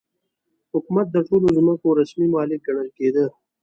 حکومت د ټولو ځمکو رسمي مالک ګڼل کېده.